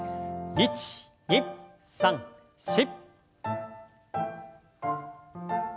１２３４。